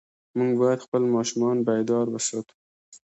موږ باید خپل ماشومان بیدار وساتو.